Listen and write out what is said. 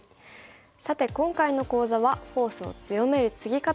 さて今回の講座はフォースを強めるツギ方を学びました。